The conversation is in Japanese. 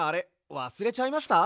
わすれちゃいました？